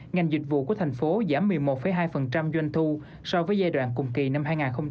ngành dịch vụ của thành phố giảm một mươi một hai doanh thu so với giai đoạn cùng kỳ năm hai nghìn hai mươi ba